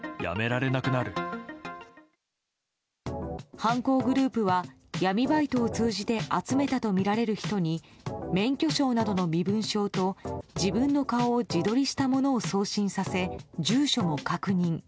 犯行グループは闇バイトを通じて集めたとみられる人に免許証などの身分証と自分の顔を自撮りしたものを送信させ、住所も確認。